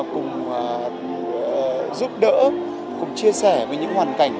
cùng giúp đỡ cùng chia sẻ về những hoàn cảnh